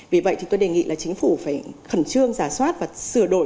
vì vậy thì tôi đề nghị là chính phủ phải khẩn trương giả soát và sửa đổi